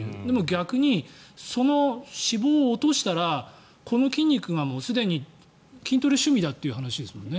逆にその脂肪を落としたらこの筋肉がもうすでに筋トレが趣味だという話ですもんね。